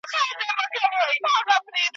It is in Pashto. او له واکه یې وتلی وو هر غړی ,